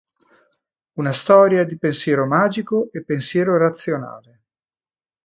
Una storia di pensiero magico e pensiero razionale.